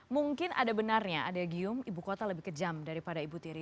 mungkin ada benarnya adegium ibu kota lebih kejam daripada ibu tiri